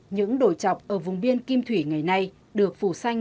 những đồi chọc ở vùng biên kim thủy ngày nay được phủ xanh